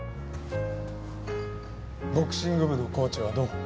ボクシング部のコーチはどう？